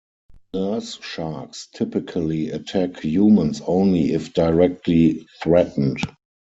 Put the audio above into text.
Nurse sharks typically attack humans only if directly threatened.